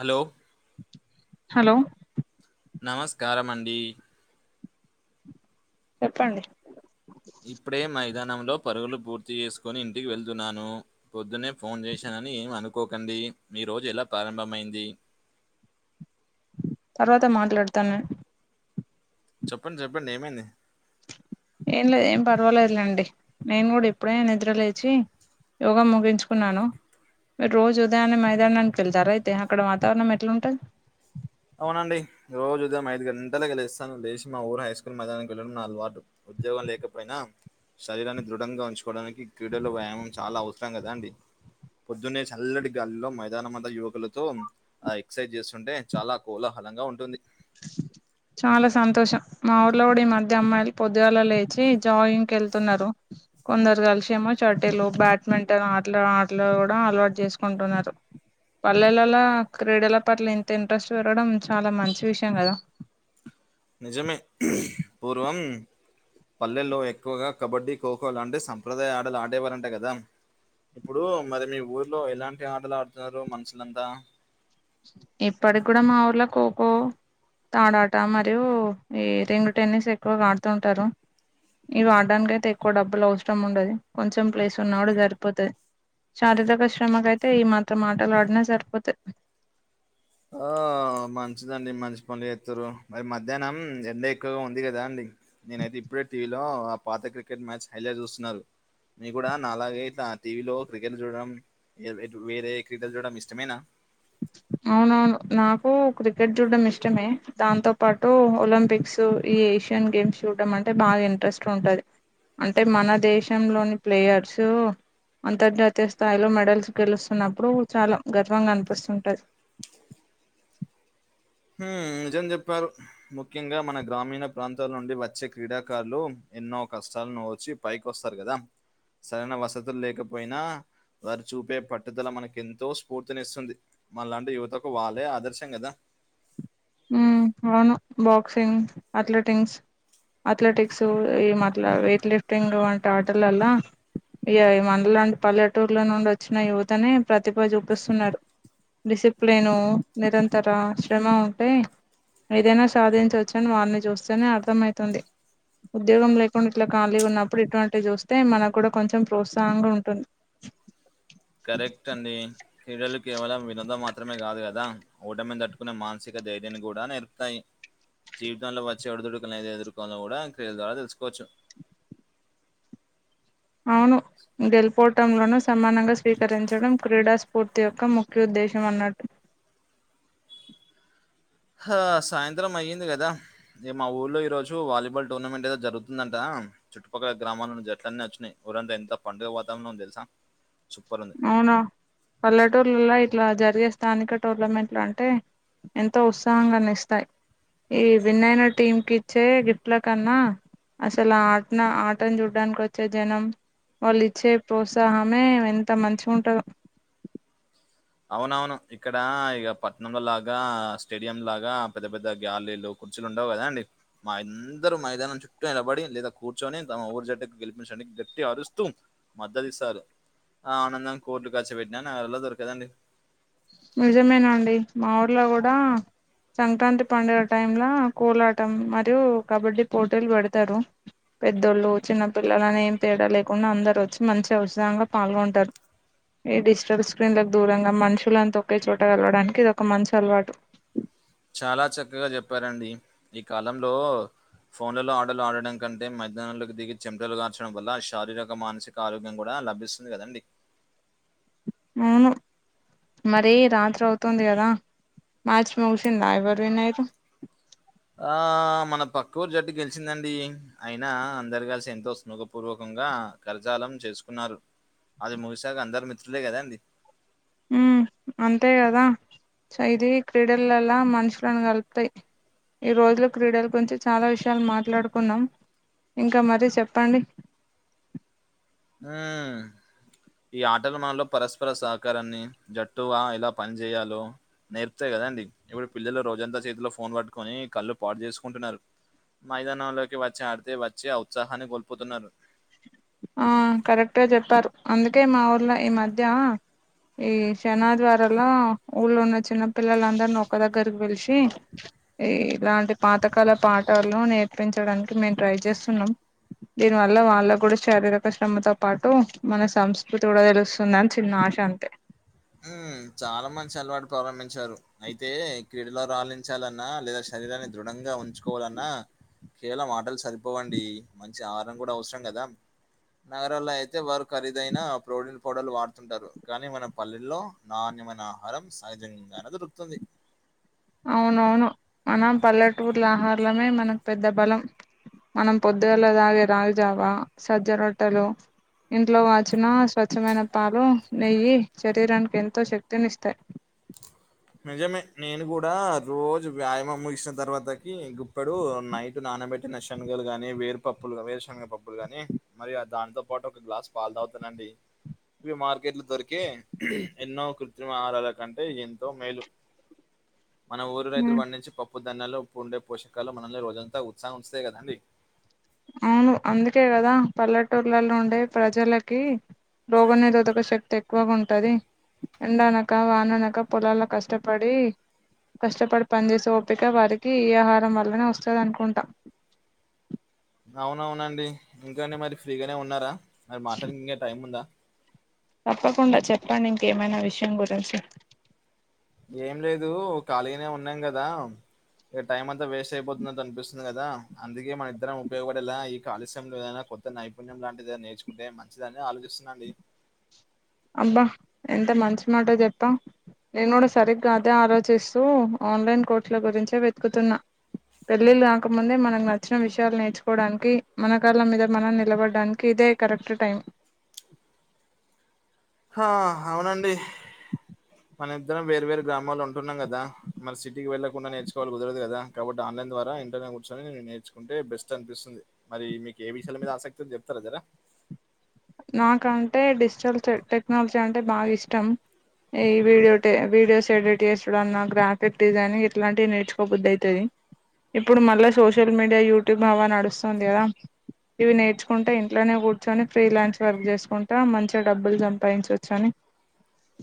Hello hello నమస్కారం అండి చెప్పండి ఇప్పుడే మైదానంలో పరుగులు పూర్తి చేసుకొని ఇంటికి వెళ్తున్నాను. పొద్దునే ఫోన్ చేశానని ఏం అనుకోకండి మీ రోజు ఎలా ప్రారంభమైంది తర్వాత మాట్లాడతాను చెప్పండి చెప్పండి ఏమైంది? ఏం లేదు ఏం పర్వాలేదులేండి నేను కూడా ఇప్పుడే నిద్ర లేచి యోగ ముగిన్ చు కున్నాను మీరు రోజు ఉదయాన్నే మైదానానికి వెళ్తారా అయితే అక్కడ వాతావరణం ఎట్లుంటది అవునండి రోజు ఉదయం ఐదు గంటాలకే లేస్తాను లేచి మా ఊరు హైస్కూల్ మైదానానికి వెళ్ళడం నా అలవాటు ఉద్యోగం లేకపోయినా శరీరాన్ని దృఢంగా ఉంచుకోవడానికి క్రీడలు వ్యాయామం చాలా అవసరం కదా అండి పొద్దున్నే చల్లటి గాలిలో మైదానమంత యువకులతో ఆ ఎక్సైజ్ చేస్తుంటే చాలా కోలహలంగా ఉంటుంది చాలా సంతోషం మా ఊర్లోగుడ ఈ మధ్య అమ్మాయిలు పొద్దుగాళ్ల లేచి జాగింగ్ వెళ్తున్నారు కొందరు కల్షేమో షటిలు బ్యాడ్మింటన్ ఆటలు ఆటలు కూడా అలవాటు చేసుకుంటున్నారు పల్లెలల్లా క్రీడల పట్ల ఇంత ఇంట్రెస్ట్ వేరగడం చాలా మంచి విషయం గద నిజమే హ్మ్ఁ పూర్వం పల్లెల్లో ఎక్కువగా కబడ్డీ ఖోఖో లాంటి సంప్రదాయ ఆటలు ఆడేవారంట కదా ఇప్పుడూ మరి మీ ఊర్లో ఎలాంటి ఆటలు ఆడుతున్నారు మనుసులంతా ఇప్పటి కూడా మా ఊర్లో కోకో తాడాట మరియు ఈ రింగ్ టెన్నిస్ ఎక్కువగా ఆడుతుంటారు ఇవి ఆడటానికి అయితే ఎక్కువ డబ్బులు అవసరం ఉండది కొంచెం ప్లేస్ ఉన్న కూడా సరిపోతది శారీరక శ్రమకైతే ఈ మాత్రం ఆటలు ఆడినా సరిపోతది ఆఁ మంచిదండి మంచి పనులు చెత్తుర్రు మరి మధ్యాహ్నం ఎండ ఎక్కువగా ఉంది కదా అండి నేనైతే ఇప్పుడే టీవీలో ఆ పాత క్రికెట్ మ్యాచ్ హైలైట్ చూసున్నారు నీ గుడా నలాగే ఇట్ల ఆ టీవీ లో క్రికెట్ చూడడం ఏ వేటు వేరే క్రీడలు చూడడం ఇష్టమేనా అవునవును నాకు క్రికెట్ చూడడం ఇష్టమే దాంతో పాటు ఒలింపిక్స్ టూ ఈ ఏషియన్ గేమ్స్ చూడం అంటే బాగా ఇంట్రెస్ట్ ఉంటాది అంటే మన దేశంలోని ప్లేయర్సు అంతర్జాతీయ స్థాయిలో మెడల్స్ గెలుస్తున్నప్పుడు చాలా గర్వంగ అనిపిస్తుంటది హామ్మ్ఁ నిజం జెప్పారు ముఖ్యంగా మన గ్రామీణ ప్రాంతాల నుండి వచ్చే క్రీడాకారులు ఎన్నో కష్టాల్ను ఓర్చి పైకొస్తారు కదా సరైన వసతులు లేకపోయినా వారు చూపే పట్టుదల మనకిెంతో స్ఫూర్తినిస్తుంది మాలాంటి యువతకు వాళ్ళే ఆదర్శం కదా హ్మ్ఁ అవును బాక్సింగ్ అథ్లెటిగ్స్ అథ్లెటిక్స్ ఏమాట్ల వెయిట్ లిఫ్టింగ్ వంటి ఆటలల్లా ఇగ మనలాంటి పల్లెటూర్ల నుండి వచ్చిన యువతని ప్రతిభ చూపిస్తున్నారు డిసిప్లేన్ను నిరంతర శ్రమ అంటే ఏదైనా సాధించొచ్చు అని వారిని చూస్తేనే అర్థమైతుంది ఉద్యోగం లేకుండా ఇట్ల ఖాళీగా ఉన్నప్పుడు ఇటువంటియి చూస్తే మనకు కూడా కొంచెం ప్రోత్సాహంగా ఉంటుంది కరెక్ట్ అండి క్రీడలు కేవలం వినోదం మాత్రమే కాదు గద ఓటమిని తట్టుకునే మాన్సిక ధైర్యాన్ని కూడా నేర్పుతాయి జీవితంలో వచ్చే ఒడిదుడుకులు అనేది ఎదురుకోవాల్నో కూడ క్రీడల ద్వారా తెసుకోవచ్చు. అవును గెలుపోటములను సమానంగా స్వీకరించడం క్రీడా స్ఫూర్తి యొక్క ముఖ్య ఉద్దేశం అన్నట్ ఆ సాయంత్రం అయ్యింది కదా ఏ మా ఊర్లో ఈ రోజు వాలీబాల్ టోర్నమెంట్ ఏదో జరుగుతుందంట చుట్టుపక్కల గ్రామాల నుంచి జట్లన్నీ వచ్చినాయి ఊరంతా ఎంత పండుగ వాతావరణం తెలుసా సూపరుంది. అవునా పల్లెటూర్లలో ఇట్లా జరిగే స్థానిక టోర్నమెంట్లు అంటే ఎంతో ఉత్సాహంగాన్నీ ఇస్తాయి ఈ విన్నైన టీం కి ఇచ్చే గిఫ్ట్ల కన్నా అసలు ఆ ఆటన ఆటను చూడ్డానికి వచ్చే జనం వాళ్ళు ఇచ్చే ప్రోత్సాహమే ఎంత మంచిగా ఉంటదో అవునవును ఇక్కడ ఇక పట్నం లో లాగా స్టేడియం లాగా పెద్ద పెద్ద గ్యాలరీలు కుర్చీలు ఉండవు కదా అండి మా అందరూ మైదానం చుట్టూ నిలబడి లేదా కూర్చొని తమ ఊరి జట్కు గెలిపించ గట్టిగా ఆరుస్తూ మద్దతు ఇస్తారు ఆ ఆనందాం కోట్లు ఖర్చు పెట్టిన [unintelligible] దొరకదండి నిజమేనండి మా ఊర్లో కూడా సంక్రాంతి పండుగ టైం కోలాటం మరియు కబడ్డీ పోటీలు పెడతారు పెద్దోళ్ళు చిన్న పిల్లలని ఏం తేడా లేకుండా అందరు వచ్చి మంచి ఔషధంగా పాల్గొంటారు ఈ డిజిటల్ స్క్రీన్ లకు దూరంగా మనుషులంతా ఒకే చోట కలవడానికి ఇది ఒక మంచి అలవాటు చాలా చక్కగా చెప్పారండి ఈ కాలంలో ఫోన్లలో ఆటలు ఆడడం కంటే మైదానం లోకి దిగి చెమటలు కార్చడం వల్ల శారీరక మానసిక క్క ఆరోగ్యం కూడా లభిస్తుంది కదండి వును మరి రాత్రి అవుతుంది కదా మార్చి ముగిసిందా ఎవరు విన్ అయురు ఆ మన పక్క ఊరు జట్టు గెలిచిందండి అయినా అందరు కలిసి ఎంతో స్నేహపూర్వకంగా కర్జాలం చేసుకున్నారు అది ముగిసాక అందరు మిత్రులే కదా అండి ఉ అంతే కదా ఇది క్రీడలలా మనుషులను కలుపుతాయి ఈ రోజులు క్రీడల గురించి చాలా విషయాలు మాట్లాడుకున్నాం ఇంకా మరీ చెప్పండి ఊ ఈ ఆటలు మనలో పరస్పర సహకారాన్ని జట్టువా ఎలా పని చేేయాలో నేర్పుతాయి కదండీ ఇప్పుడు పిల్లలు రోజంతా చేతిలో ఫోన్ పట్టుకొని కళ్ళు పాడు చేసుకుంటున్నారు మైదానంలోకి వచ్చి ఆడితే వచ్చి ఆ ఊత్సాహాన్ని కోల్పోతున్నారు ఆ కరెక్ట్ గా చెప్పారు అందుకే మా ఊరిలో ఈ మధ్య ఈ శని ఆదివారలో ఊళ్ళో ఉన్న చిన్న పిల్లలందరినీ ఒక దగ్గరకి పిలిచి ఈ ఇలాంటి పాతకాల పాటలు నేర్పి దించడానికి మేము ట్రై చేస్తున్నాం దీని వల్ల వా వాళ్ళు కూడా శారీరక శ్రమతో పాటు మన సంస్కృతి కూడా తెలుస్తుందని చిన్న ఆశ అంతే ఉ చాలా మంచి అలవాటు ప్రారంభించారు అయితే క్రీడలో రాలించాలన్నా లేదా శరీరాన్ని దృఢంగా ఉంచుకోవాలన్నా కేవలం ఆటలు సరిపోవండి మంచి ఆహారం కూడా అవసరం కదా నగరాల్లో అయితే వారు ఖరీదైన ప్రోటీన్ పౌడర్లు వాడుతుంటారు కానీ మనం పల్లెల్లో నాణ్యమైన ఆహారం సహజంగానే దొరుకుతుంది అవునవును మనం పల్లెటూరుల ఆహర్లమె మనకు పెద్ద బలం మనం పొద్దుగలె తాగే రాగిజావా సజ్జరొట్టలు ఇంట్లో కాచిన స్వచ్ఛమైన పాలు నెయ్యి శరీరానికి ఎంతో శక్తిని ఇస్తాయి నిజమే నేను గూడా రోజు వ్యాయామం ముగిసిన తర్వాతకి గుడ్ ఇప్పుడు నైట్ నానబెట్టిన శనగలు గాని వేరుపప్పులు వేరుశెనగ పప్పులు గాని మరి ఆ దానితో పాటు ఒక గ్లాస్ పాలు తాగుతానండి మార్కెట్లు దొరికే ఊ ఎన్నో కృత్రిమ ఆహారాల కంటే ఏంతో మేలు మన ఊరు రైతులు ఉమ్, పండించిన పప్పు పప్పు దాన్యాలు ఉండే పోషకాలు మనల్ని రోజంతా ఉత్సహం ఉంచుతారు కదండి అవును అందుకే కదా పల్లెటూర్లలో ఉండే ప్రజలకి రోగనిరోధక శక్తి ఎక్కువుగా ఉంటది ఎండానక వాననక పొలాల్లో కష్టపడి కష్టపడి పనిచేసే ఓప్పిక వారికి ఈ ఆహారం వల్లన వస్తుంది అనుకుంట అవును అవునండి ఇంకా అండి మరి ఫ్రీగానే ఉన్నారా మరి మాట్లాడడానికి టైమ్ ఉందా తప్పకుండా చెప్పండి ఇంకేమైనా విషయం గురించి ఏం లేదు ఖాళీనే ఉన్నాం గదా ఈ టైమ్ అంతా వేస్ట్ అయిపోతుంది అనిపిస్తుంది కదా అందుకే మన ఇద్దరం ఉపయోగపడేలా ఈ ఖాళీ సమయంలో ఏదైనా కొత్త ఒక నైపుణ్యం లాంటిది నేర్చుకుంటే మంచిదని ఆలోచిస్తున్నాండి అబ్బా ఎంత మంచి మాటా చెప్పావు నేను కూడా సరిగ్గా అదే ఆలోచిస్తూ ఆన్లైన్ కోర్సులు గురించే వెతుకుతున్నా పెళ్ళిళ్ళు కాకముందే మనం నచ్చిన విషయాలు నేర్చుకోవడానికి మన కాళ్ళు మీద మనం నిలబడ్డానికి ఇదే కరెక్ట్ టైం హ అవునండి మన ఇద్దరం వేరు వేరు గ్రామాల్లో ఉంటున్నాం కదా మరి సిటీకి వెళ్లకుండా నేర్చుకొవాలి కుదరదు కదా కాబట్టి ఆన్లైన్ ద్వారా ఇంట్లోనే కూర్చొని నేర్చుకుంటె బెస్ట్ అనిపిస్తుంది మరి మీకు ఏ విషయాల మీద ఆసక్తి ఉందో చెప్తారు కదా నాకంటే డిజిటల్ చె టెక్నాలజీ అంటే బాగా ఇష్టం ఈ వీడియో టే వీడియోస్ ఎడిట్ చేసుడు అన్న గ్రాఫిక్ డిజైనింగ్ ఇట్లాంటివి నేర్చుకోబుద్ది అయితది ఇప్పుడు మళ్ళా సోషల్ మీడియా యూట్యూబ్ బాగా నడుస్తుంది కదా ఇవి నేర్చుకుంటే ఇంట్లోనే కూర్చొని ఫ్రీలాన్స్ వర్క్ చేసుకుంటా మంచిగా డబ్బులు సంపాదించచ్చు అని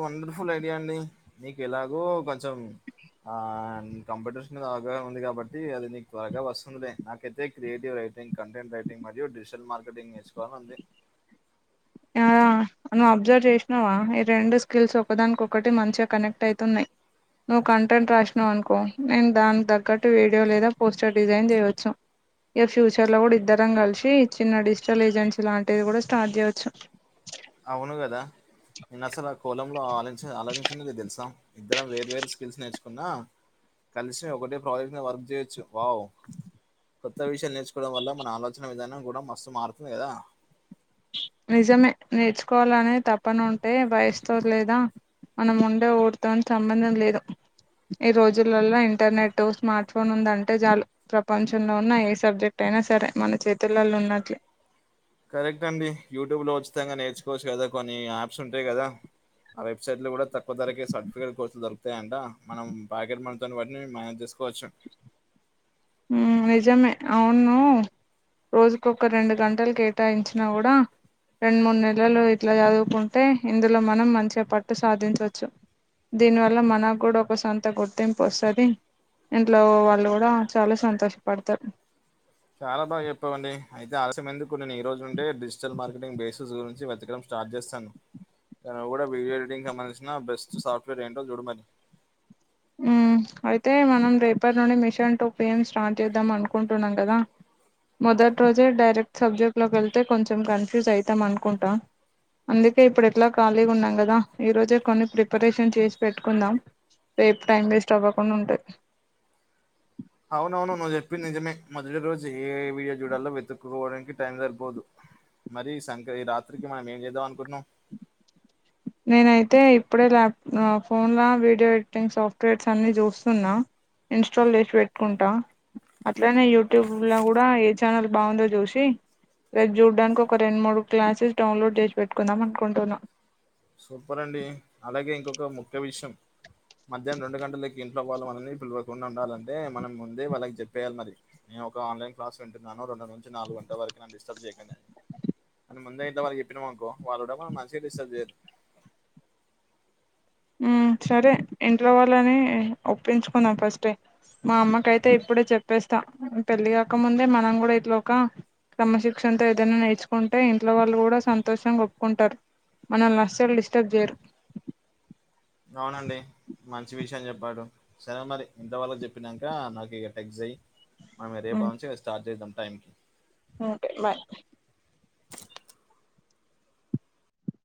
వండర్ఫుల్ ఐడియా అండి మీకు ఎలాగో కొంచెం ఆ కంప్యూటర్స్ మీద అవగాహన ఉంది కాబట్టి అది నీకు త్వరగా వస్తుందిలే నాకైతే క్రియేటివ్ రైటింగ్ కంటెంట్ రైటింగ్ మరియు డిజిటల్ మార్కెటింగ్ నేర్చుకోవాలని ఉంది ఆ నువ్వు అబ్జర్వ్ చేసినావా ఈ రెండు స్కిల్స్ ఒకదానికొక్కటి మంచిగా కనెక్ట్ అయితున్నామ్ నువ్వు కంటెంట్ రాసినవ్ అనుకో నేను దానికి తగ్గట్టు వీడియో లేదా పోస్టర్ డిజైన్ చేయవచ్చు ఇక ఫ్యూచర్ లో కూడా ఇద్దరం కలిసి చిన్న డిజిటల్ ఏజెన్సీ లాంటిది కూడా స్టార్ట్ చేయవచ్చు అవును కదా నేను అసలు ఆ కోనంలో ఆలోచి ఆలోచించ లేదు తెలుసా ఇద్దరం వేర్ వేరు స్కిల్స్ నేర్చుకున్నా కలిసిం ఒకటే ప్రాజెక్టు మీద వర్క్ చేయచ్చు వావ్ కొత్త విషయాలు నేర్చుకోవడం వల్ల మన ఆలోచన విధానం కూడా మస్తు మారుతుంది కదా నిజమే నేర్చుకోవాలనే తపనుంటే వయస్తో లేదా మనం ఉండే ఎవరితోని సంబంధం లేదు ఈ రోజులలో ఇంటర్నెట్ స్మార్ట్ ఫోన్ ఉందంటే చాలు ప్రపంచంలో ఉన్న ఏ సబ్జెక్ట్ అయినా సరే మన చేతులలో ఉన్నట్లే కరెక్ట్ అండి యూట్యూబ్ లో ఉచితంగా నేర్చుకోవచ్చు కదా కొన్ని యాప్స్ ఉంటాయి కదా ఆ వెబ్సైట్ లో కూడా తక్కువ ధరకే సర్టిఫికేట్ కోర్సులు దొకుతయ అంట మనం బ్యాకెట్ మనీ దాని బట్టి మీరు మేనేజ్ చేసుకోవచ్చు నిజమే అవును రోజుకు ఒక రెండు గంటలు కేటాయించినా కూడా రెండు మూడు నెలలు ఇట్లా చదువుకుంటే ఇందులో మనం మంచిగా పట్టు సాధించవచ్చు దీనివల్ల మనకు కూడా ఒక సొంత గుర్తింపు వస్తుంది ఇంట్లో వాళ్ళు కూడా చాలా సంతోషపడతర్ చాలా బాగా చెప్పావండి అయితే ఆలస్యం ఎందుకు నేను ఈ రోజు ఉంటే డిజిటల్ మార్కెటింగ్ బేసెస్ గురించి వెతకడం స్టార్ట్ చేస్తాను నువ్వు కూడా వీడియో ఎడిటింగ్కి సంబంధించిన బెస్ట్ సాఫ్ట్వేర్ ఏంటో చూడమరి ఉమ్ అయితే మనం రేపటి నుండి మిషన్ టో పిఎం స్టార్ట్ చేద్దాం అనుకుంటున్నాం కదా మొదటి రోజే డైరెక్ట్ సబ్జెక్ట్ లోకి వెళ్తే కొంచెం కన్ఫ్యూజ్ అవుతాం అనుకుంటా అందుకే ఇప్పుడు ఎట్లా ఖాళీగా ఉన్నాం కదా ఈ రోజే కొన్ని ప్రిపరేషన్ చేసి పెట్టుకుందాం రేపు టైం వెస్ట్ అవ్వకుండా ఉంటది అవునవును నువ్వు చెప్పి నిజమే మొదటి రోజు ఏ వీడియో చూడాలో వెతుక్కకోవడానికి టైం సరిపోదు మరి సంకరి ఈ రాత్రికి మనం ఏం చేద్దాం అనుకున్నాం నేనైతే ఇప్పుడే ల్యాప్ ఫోన్లో వీడియో ఎడిటింగ్ సాఫ్ట్వేర్స్ అన్ని చూస్తున్నా ఇన్స్టాల్ చేసి పెట్టుకుంటా అట్లనే యూట్యూబ్ లో కూడా ఏ ఛానల్ బాగుందో జూషి రేపు చూడడానికి ఒక రెండు మూడు క్లాసెస్ డౌన్లోడ్ చేసి పెట్టుకుందాం అనుకుంటున్నా సూపర్ అండి అలాగే ఇంకొక ముఖ్య విషయం మధ్యానం రెండు గంటలకి ఇంట్లోవాళ్ళు మనల్ని పిలవకుండా వుండాలంటే మనం ముందే వాళ్ళకి చెప్పేయాలి మరి నేను ఒక ఆన్లైన్ క్లాస్ వింటున్నాను రెండు నుంచి నాలుగు గంటల వరకి నన్ను డిస్టర్బ్ చేయకండి అని అని ముందే ఇంట్లో వాళ్లకి చెప్పినామనుకో వాళ్ళు కూడా మంచిగా డిస్టబ్ చేయరు ఉమ్ సరే ఇంట్లో వాళ్ళని ఒప్పించుకుందాం ఫస్ట్టే మా అమ్మకైతే ఇప్పుడే చెప్పేస్తా పెళ్ళి కాక ముందే మనం కూడా ఇట్ల ఒక క్రమశిక్షణ తో ఏదైనా నేర్చుకుంటే ఇంట్లో వాళ్ళు కూడా సంతోషంగా ఒప్పుకుంటారు మనల్ని అస్సలు డిస్టర్బ్ చేయరు అవునండి మంచి విషయం చెప్పారు సరే మరి ఇంట్లోవాళ్లకి చెప్పినాక నాకు టెక్స్చెయ్ మనం రేపా ఉమ్, నుంచి స్టార్ట్ చేద్దాం టైం కి ఓకే బాయ్